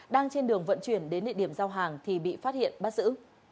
đang trên đường vận chuyển đến địa điểm giao hàng thì bị phát hiện bắt giữ